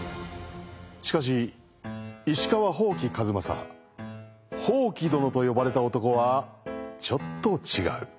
しかし石川伯耆数正「ほうきどの」と呼ばれた男はちょっと違う。